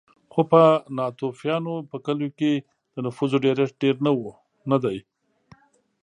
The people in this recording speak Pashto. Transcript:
خو په ناتوفیانو په کلیو کې د نفوسو ډېرښت ډېر نه دی